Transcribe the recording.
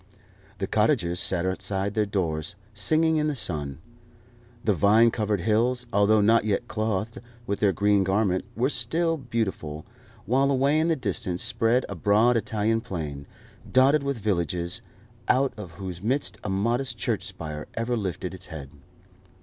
The cottagers sat outside their doors, singing in the sun. The vine covered hills, although not yet clothed with their green garment, were still beautiful, while away in the distance spread a broad Italian plain, dotted with villages, out of whose midst a modest church spire ever lifted its head.